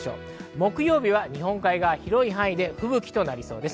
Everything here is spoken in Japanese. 木曜日は日本海側、広い範囲で吹雪となりそうです。